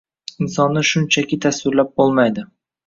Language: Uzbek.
Insonni shunchaki tasvirlab bo’lmaydi